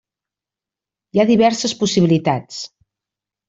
Hi ha diverses possibilitats.